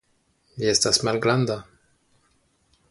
Vi estas malgranda.